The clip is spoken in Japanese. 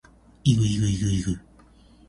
ｲｸﾞｲｸﾞｲｸﾞｲｸﾞ